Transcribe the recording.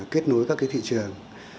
kết nối các cái thị trường